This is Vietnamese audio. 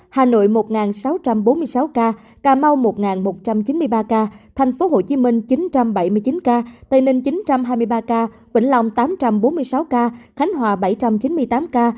hà nội một sáu trăm bốn mươi sáu ca cà mau một một trăm chín mươi ba ca tp hcm chín trăm bảy mươi chín ca tây ninh chín trăm hai mươi ba ca vĩnh long tám trăm bốn mươi sáu ca khánh hòa bảy trăm chín mươi tám ca